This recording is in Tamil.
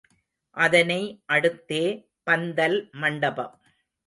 அதனை அடுத்தே பந்தல் மண்டபம்.